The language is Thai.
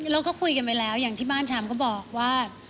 เราก็คุยกันไปแล้วอย่างที่บ้านชามก็บอกว่า